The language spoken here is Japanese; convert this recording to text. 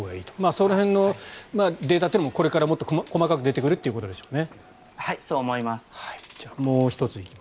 その辺のデータもこれからもっと細かく出てくるということでしょうね。